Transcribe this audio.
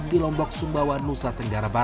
di lombok sumbawa nusa tenggara barat